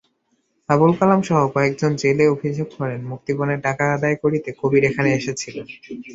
আবুল কালামসহ কয়েকজন জেলে অভিযোগ করেন, মুক্তিপণের টাকা আদায় করতে কবির এখানে এসেছিলেন।